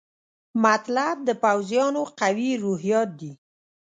مطلب د پوځیانو قوي روحیات دي.